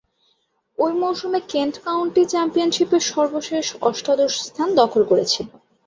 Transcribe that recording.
ঐ মৌসুমে Kent county চ্যাম্পিয়নশীপে সর্বশেষ অষ্টাদশ স্থান দখল করেছিল।